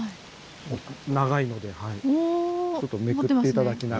長いのでちょっとめくって頂きながら。